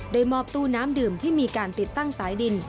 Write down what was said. มอบตู้น้ำดื่มที่มีการติดตั้งสายดิน